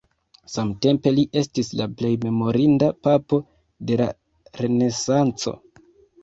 Samtempe li estis la plej memorinda papo de la renesanco.